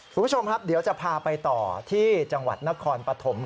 คุณผู้ชมครับเดี๋ยวจะพาไปต่อที่จังหวัดนครปฐม